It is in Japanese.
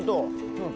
うん。